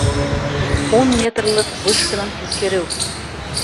Ун метрлыҡ вышканан һикереү